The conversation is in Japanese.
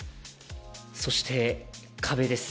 そして、壁です。